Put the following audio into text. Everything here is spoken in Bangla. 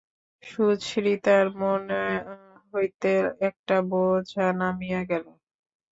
সুচরিতার মন হইতে একটা বোঝা নামিয়া গেল।